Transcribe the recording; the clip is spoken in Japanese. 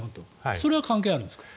それは関係あるんですか？